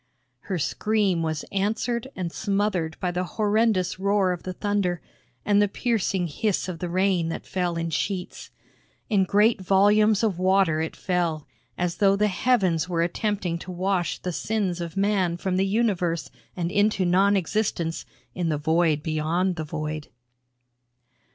Her scream was answered and smothered by the horrendous roar of the thunder, and the piercing hiss of the rain that fell in sheets. In great volumes of water, it fell, as though the heavens were attempting to wash the sins of man from the universe and into non existence in the void beyond the void.